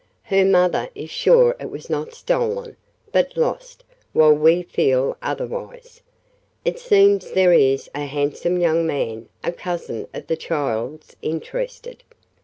Her mother is sure it was not stolen, but lost, while we feel otherwise. It seems there is a handsome young man, a cousin of the child's, interested.